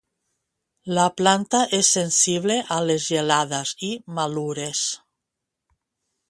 La planta és sensible a les gelades i malures.